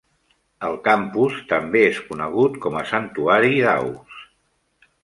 El campus també es conegut com a santuari d'aus.